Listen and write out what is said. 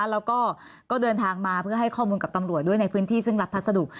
แล้วก็เดินทางมาเพื่อให้ข้อมูลกับตำรวจด้วยในพื้นที่ซึ่งรับพัสดุ